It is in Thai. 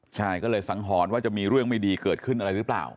ใช่ก็เลยสังหรณ์ว่าจะมีเรื่องไม่ดีเกิดขึ้นอะไรหรือเปล่า